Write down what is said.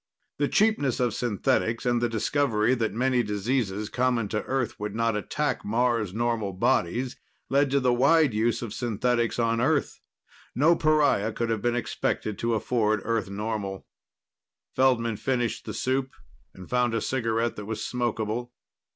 The cheapness of synthetics and the discovery that many diseases common to Earth would not attack Mars normal bodies led to the wide use of synthetics on Earth. No pariah could have been expected to afford Earth normal. Feldman finished the soup, and found a cigarette that was smokable.